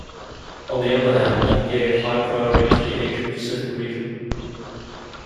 On the other hand, he gave high priority to the Asia Pacific region.